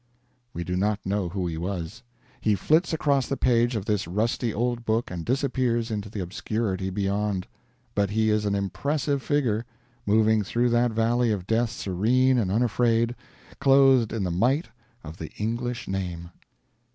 We do not know who he was; he flits across the page of this rusty old book and disappears in the obscurity beyond; but he is an impressive figure, moving through that valley of death serene and unafraid, clothed in the might of the English name.